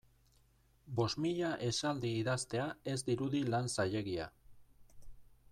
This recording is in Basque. Bost mila esaldi idaztea ez dirudi lan zailegia.